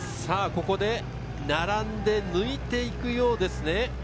ここで並んで抜いていくようですね。